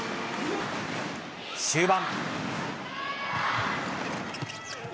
終盤。